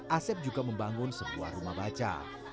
asep juga membangun sebuah rumah baca